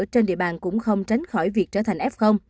trên địa bàn cũng không tránh khỏi việc trở thành f